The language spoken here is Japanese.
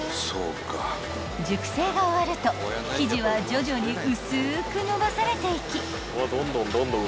［熟成が終わると生地は徐々に薄く延ばされていき